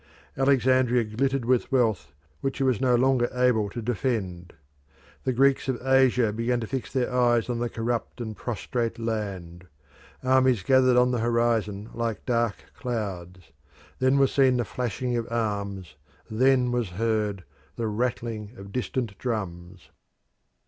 Alexandria glittered with wealth which it was no longer able to defend. The Greeks of Asia began to fix their eyes on the corrupt and prostrate land. Armies gathered on the horizon like dark clouds; then was seen the flashing of arms; then was heard the rattling of distant drums.